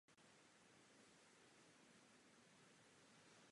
Jeho písně se staly symboly hnutí odporu.